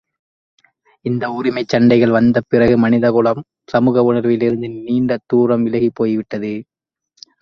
இந்த உரிமைச் சண்டைகள் வந்த பிறகு மனித குலம் சமூக உணர்விலிருந்து நீண்ட தூரம் விலகிப் போய் விட்டது.